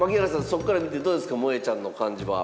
そこから見てどうですかもえちゃんの感じは。